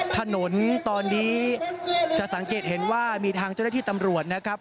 ถนนตอนนี้จะสังเกตเห็นว่ามีทางเจ้าหน้าที่ตำรวจนะครับ